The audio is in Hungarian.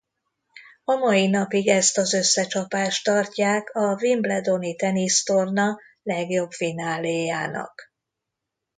A mai napig ezt az összecsapást tartják a Wimbledon-i tenisztorna legjobb fináléjának.